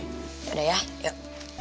yaudah ya yuk